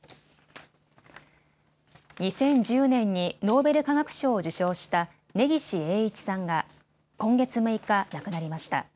２０１０年にノーベル化学賞を受賞した根岸英一さんが今月６日、亡くなりました。